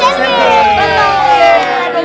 iya cuma itu doang